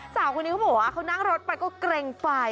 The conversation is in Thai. สาวคนนี้เขาบอกว่าเขานั่งรถไปก็เกรงไฟ